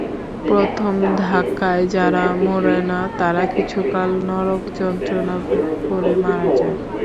প্রথম ধাক্কায় যারা মরে না, তারা কিছুকাল নরকযন্ত্রণা ভোগ করে মারা যায়।